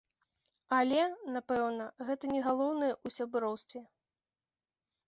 Але, напэўна, гэта не галоўнае ў сяброўстве.